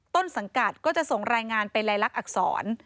ต้นสังกัดก็จะส่งรายงานเป็นลายลักษณอักษร